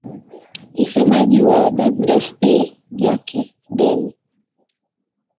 msemaji wa wfp jack den